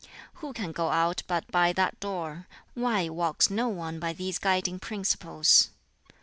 "Who can go out but by that door? Why walks no one by these guiding principles?